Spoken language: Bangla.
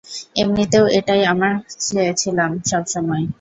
এমনিতেও এটাই আমি চেয়েছিলাম সবসময়।